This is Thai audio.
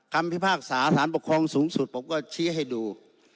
พิพากษาสารปกครองสูงสุดผมก็ชี้ให้ดู